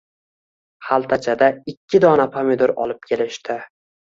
Xaltachada ikki dona pomidor olib kelishdi